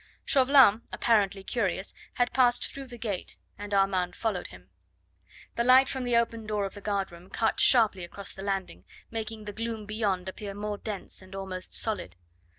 Chauvelin, apparently curious, had passed through the gate, and Armand followed him. The light from the open door of the guard room cut sharply across the landing, making the gloom beyond appear more dense and almost solid.